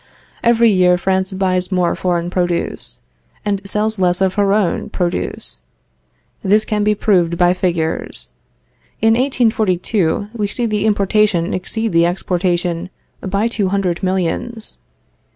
Every year France buys more foreign produce, and sells less of its own produce. This can be proved by figures. In 1842, we see the importation exceed the exportation by two hundred millions.